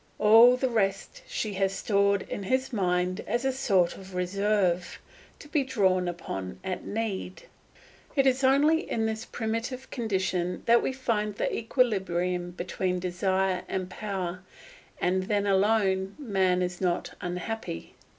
All the rest she has stored in his mind as a sort of reserve, to be drawn upon at need. It is only in this primitive condition that we find the equilibrium between desire and power, and then alone man is not unhappy.